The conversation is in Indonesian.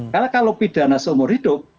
karena kalau pidana seumur hidup